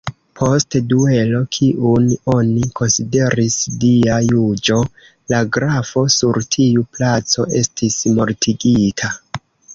Post duelo, kiun oni konsideris Dia juĝo, la grafo sur tiu placo estis mortigita.